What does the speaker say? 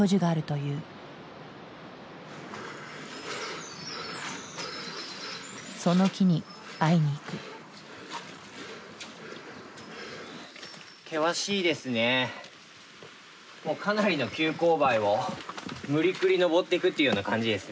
もうかなりの急勾配を無理くり登っていくっていうような感じですね。